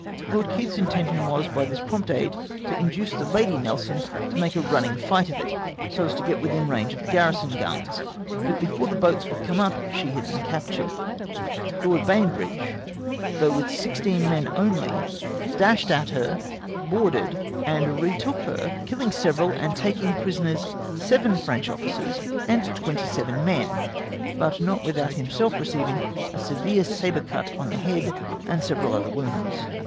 Lord Keith's intention was, by this prompt aid, to induce the Lady 'Nelson to make a running light of it, so as to get within range of the garrison guns ; but before the boats could come up she had been captured ; Lieutenant Bainbridge, though with sixteen men only, dashed at her, boarded, and retook her, killing several and taking prisoners seven French officers and twenty seven men ; but not without himself receivinar a severe sabre cut on the head and several other wounds.